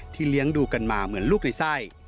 เลี้ยงดูกันมาเหมือนลูกในไส้